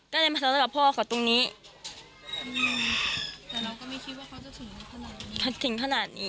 ก็เลยมาสัใตลกับพ่อเขาตรงนี้แต่เราก็ไม่คิดว่าเขาจะถึงขนาดนี้